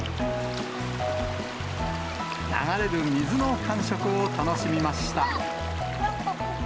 流れる水の感触を楽しみました。